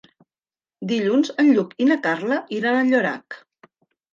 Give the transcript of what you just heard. Dilluns en Lluc i na Carla iran a Llorac.